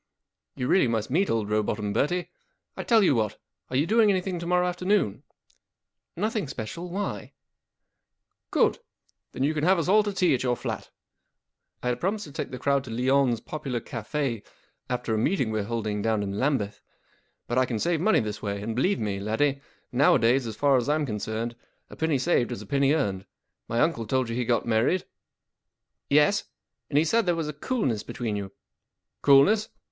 You really must meet old Rowbotham, Bertie. I tell you what, are y ou doing anything to morrow afternoon ?" 4 Nothing special. W hv ? \jrigmaf from* UNIVERSITY OF MICHIGAN 397 P. G. Wodehouse t# Good ! Then yon can have ns all to tea at your flat, I had promised to take the crowd to Lyons* Popular Cafe after a meeting we Ye holding down in Lambeth, but I can save money this way; and, believe me, laddie, nowadays, as far as I'm concerned, a penny saved is a penny earned. My uncle told you he'd got married ?"" Yes. And he said there was a coolness between you.'" " Coolness